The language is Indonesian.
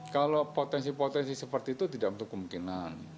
kalau potensi potensi seperti itu tidak menutup kemungkinan